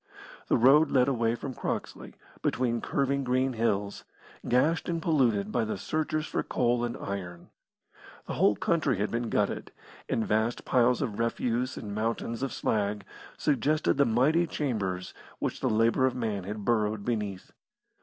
The road led away from Croxley, between curving green hills, gashed and polluted by the searchers for coal and iron. The whole country had been gutted, and vast piles of refuse and mountains of slag suggested the mighty chambers which the labour of man had burrowed beneath.